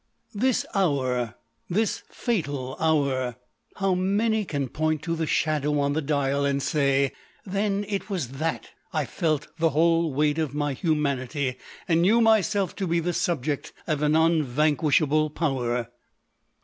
This hour ! this fatal hour ! How many can point to the shadow on the dial, and say, "Then it was that I felt the whole weight of my hu manity, and knew myself to be the subject of an unvanquishable power